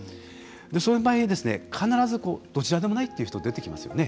その場合に必ず、どちらでもないという人が出てきますよね。